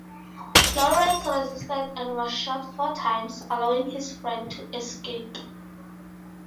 Lawrence resisted and was shot four times, allowing his friend to escape.